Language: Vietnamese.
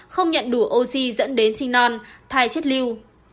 không nhận đủ oxy dẫn đến sinh non thai chết lưu